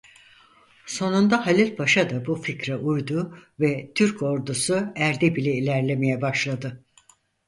Sonunda Halil Paşa da bu fikre uydu ve Türk ordusu Erdebil'e ilerlemeye başladı.